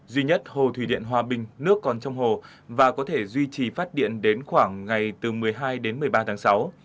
duy nhất hồ thủy điện hòa bình nước còn trong hồ và có thể duy trì phát điện đến khoảng ngày từ một mươi hai đến một mươi ba tháng sáu